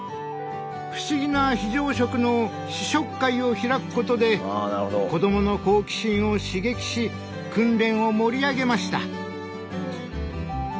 不思議な非常食の試食会を開くことで子どもの好奇心を刺激し訓練を盛り上げました。